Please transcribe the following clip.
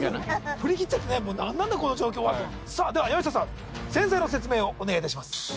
振り切っちゃってねなんなんだこの状況はとさあでは山下さん前菜の説明をお願いいたします